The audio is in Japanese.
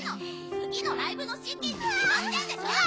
次のライブの資金に決まってんでしょ！